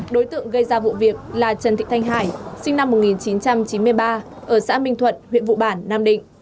đối tượng gây ra vụ việc là trần thị thanh hải sinh năm một nghìn chín trăm chín mươi ba ở xã minh thuận huyện vụ bản nam định